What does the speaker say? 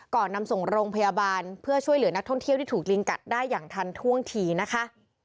นำส่งโรงพยาบาลเพื่อช่วยเหลือนักท่องเที่ยวที่ถูกลิงกัดได้อย่างทันท่วงทีนะคะ